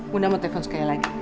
bunda mau telepon sekali lagi